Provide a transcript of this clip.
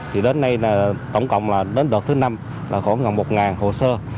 thì đến nay tổng cộng là đến đợt thứ năm là khoảng gần một hồ sơ